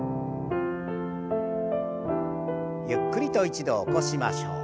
ゆっくりと一度起こしましょう。